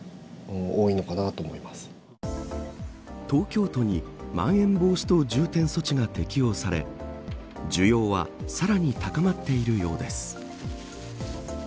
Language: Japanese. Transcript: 東京都にまん延防止等重点措置が適用され需要はさらに高まっているようです。